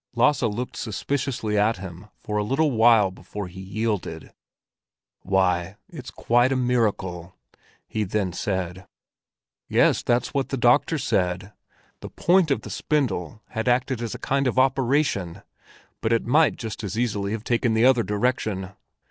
Lasse looked suspiciously at him for a little while before he yielded. "Why, it's quite a miracle!" he then said. "Yes, that's what the doctor said. The point of the spindle had acted as a kind of operation. But it might just as easily have taken the other direction.